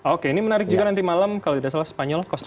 oke ini menarik juga nanti malam kalau tidak salah spanyol